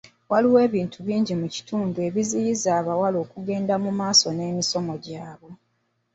Waliwo ebintu bingi mu kitundu ebiziyiza abawala okugenda mu maaso n'emisomo gyabwe.